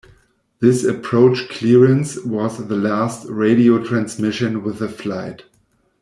This approach clearance was the last radio transmission with the flight.